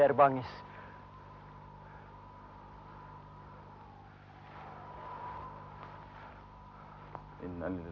terima kasih maringi